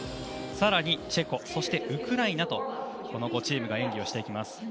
さらにチェコ、ウクライナとこの５チームが演技をします。